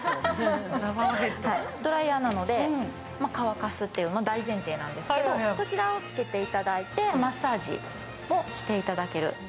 ドライヤーなので、乾かすというのが大前提なんですけど、こちらをつけていただいてマッサージもしていただける。